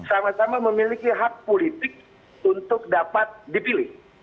sama sama memiliki hak politik untuk dapat dipilih